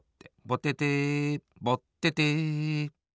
ぼててぼってて。